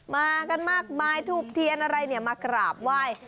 มากันมากมายถูกเทียนอะไรเนี่ยมากราบไหว้